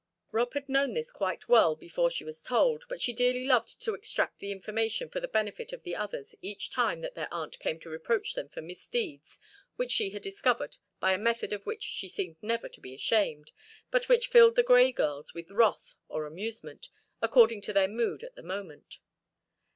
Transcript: Rob had known this quite well before she was told, but she dearly loved to extract the information for the benefit of the others each time that their aunt came to reproach them for misdeeds which she had discovered by a method of which she seemed never to be ashamed, but which filled the Grey girls with wrath or amusement, according to their mood at the moment.